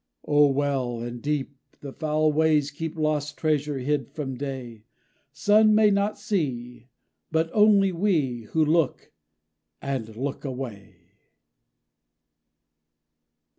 _ _Oh well and deep, the foul ways keep Lost treasure hid from day! Sun may not see: but only we, Who look; and look away.